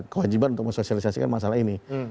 kewajiban untuk mensosialisasikan masalah ini